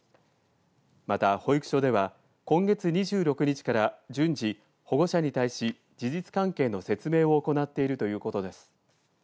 また、保育所では今月２６日から順次保護者に対し事実関係の説明を行っているということです。